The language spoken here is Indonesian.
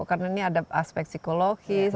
karena ini ada aspek psikologis